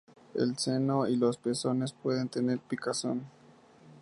El seno y los pezones pueden tener picazón.